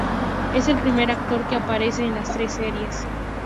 Es el primer actor que aparece en las tres series.